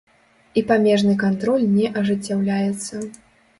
І памежны кантроль не ажыццяўляецца.